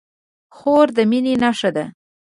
خور د مینې نښه ده.